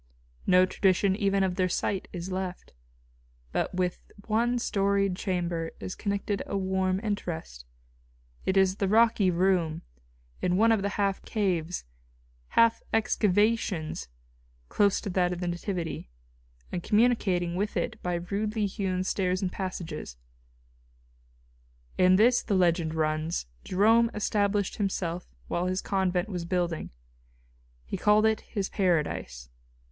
No tradition even of their site is left. But with one storied chamber is connected a warm interest. It is the rocky room, in one of the half caves, half excavations, close to that of the Nativity, and communicating with it by rudely hewn stairs and passages. In this, the legend runs, Jerome established himself while his convent was building. He called it his paradise.